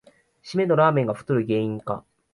しめのラーメンが太る原因か